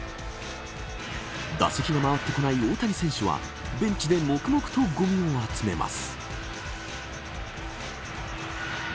打席が回ってこない大谷選手はベンチで黙々とごみを集めます。